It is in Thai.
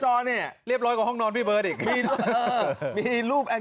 เหลียบร้อยกับห้องนอนพี่เบิร์สเยอะ